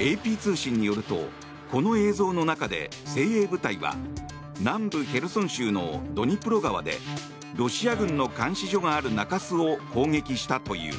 ＡＰ通信によるとこの映像の中で精鋭部隊は南部ヘルソン州のドニプロ川でロシア軍の監視所がある中州を攻撃したという。